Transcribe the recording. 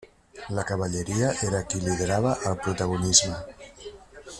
La cavalleria era qui liderava el protagonisme.